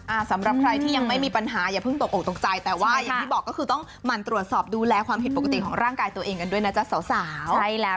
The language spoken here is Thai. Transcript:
สำหรับใครที่ยังไม่มีปัญหาอย่าเพิ่งตกออกตกใจแต่ว่าอย่างที่บอกก็คือต้องหมั่นตรวจสอบดูแลความผิดปกติของร่างกายตัวเองกันด้วยนะจ๊ะสาวสาวใช่แล้ว